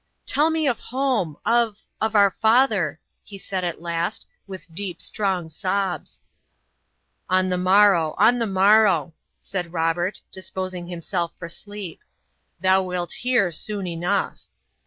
"Tell me of home, of of our father," he said, at last, with deep, strong sobs. "On the morrow, on the morrow," said Robert, disposing himself for sleep. "Thou wilt hear soon enough."